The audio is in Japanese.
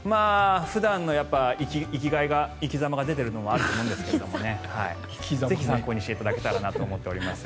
普段の生き様が出ているのもあると思うんですがぜひ参考にしていただけたらと思います。